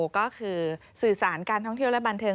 ก็คือสื่อสารการท่องเที่ยวและบันเทิ